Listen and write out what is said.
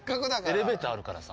エレベーターあるからさ。